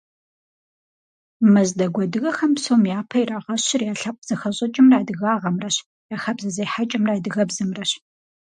Мэздэгу адыгэхэм псом япэ ирагъэщыр я лъэпкъ зэхэщӏыкӏымрэ адыгагъэмрэщ, я хабзэ зехьэкӏэмрэ адыгэбзэмрэщ.